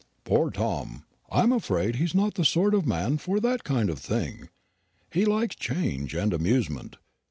"Poor Tom! I'm afraid he's not the sort of man for that kind of thing. He likes change and amusement.